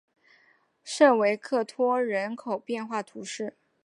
圣维克托人口变化图示